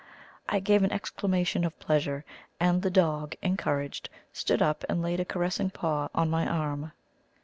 I gave an exclamation of pleasure, and the dog, encouraged, stood up and laid a caressing paw on my arm.